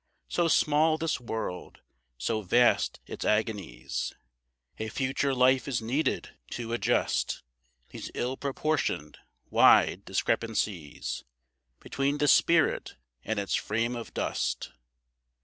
So small this world! So vast its agonies! A future life is needed to adjust These ill proportioned, wide discrepancies Between the spirit and its frame of dust.